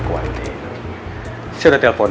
kuatir saya udah telpon